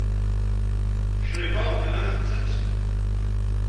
Crifa tella tettett.